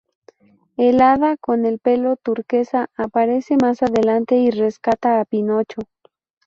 El hada con el pelo turquesa aparece más adelante y rescata a Pinocho.